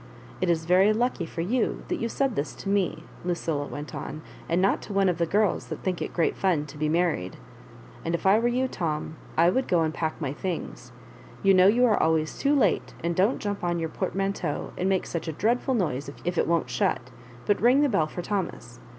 It is very lucky for you that you said this 10 m€," Lucilla went on, " and not to one ofc the girls that think it great fun to be married. And if I were you, Tom, I would go and pack my things. You know you are always too late ; and don't jump on your portmanteau and make such a dreadful noise if it won't shut, but ring the bell for Thomas.